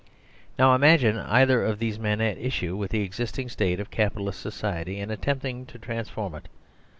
Now imagine either of these men at issue with the existing state of Capitalist society and attempting to transform it.